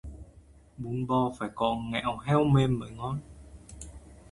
Bún bò phải có ngoéo heo mềm mới ngon